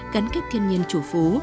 gắn kép thiên nhiên chủ phú